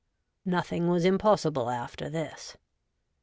Nothing was impossible after this.